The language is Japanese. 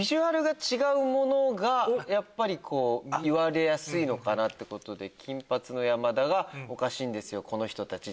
やっぱり言われやすいのかなってことで金髪の山田が「おかしいんですよこの人たち」。